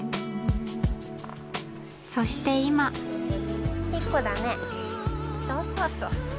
そして今いいコだねそうそう。